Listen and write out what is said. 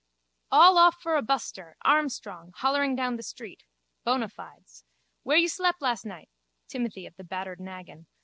_ All off for a buster, armstrong, hollering down the street. Bonafides. Where you slep las nigh? Timothy of the battered naggin.